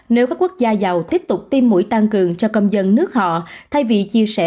nếu các quốc gia giàu tiếp tục tiêm mũi tăng cường cho công dân nước họ thay vì chia sẻ